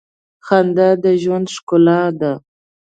خندا د ژوند ښکلا ده.